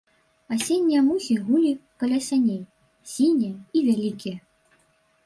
Асеннія мухі гулі каля сяней, сінія і вялікія.